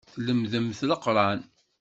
Tlemdemt Leqran.